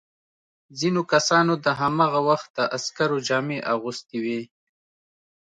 ځینو کسانو د هماغه وخت د عسکرو جامې اغوستي وې.